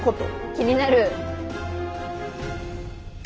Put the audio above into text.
気になる。